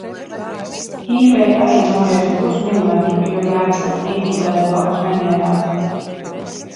Īvei arī nogriezu pus milimetru, jo bērns tak dīdītājs blakus nemierā.